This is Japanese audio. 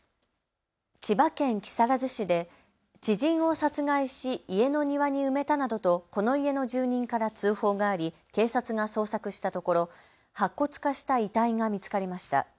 千葉県木更津市で知人を殺害し家の庭に埋めたなどとこの家の住人から通報があり警察が捜索したところ白骨化した遺体が見つかりました。